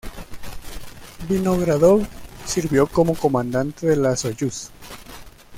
Vinogradov sirvió como comandante de la Soyuz.